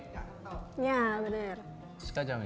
kayak enak kayak wangi